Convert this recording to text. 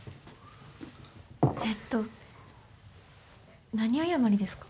えっと何謝りですか？